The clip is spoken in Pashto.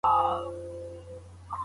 پوځي ډاکټران چيري دنده ترسره کوي؟